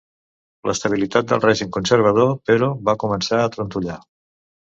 L'estabilitat del règim conservador, però, va començar a trontollar.